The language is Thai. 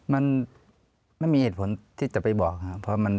มันไม่มีเหตุผลที่จะไปบอกครับ